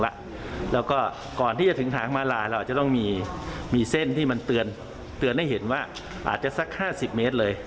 แล้วก็ก่อนที่จะถึงทางมาลายเราอาจจะต้องมีเส้นที่มันเตือนให้เห็นว่าอาจจะสัก๕๐เมตรเลย